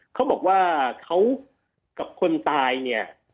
เขาบอกว่าเขากับคนตายเนี่ย